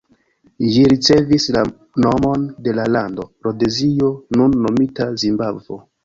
Ĝi ricevis la nomon de la lando Rodezio, nun nomita Zimbabvo.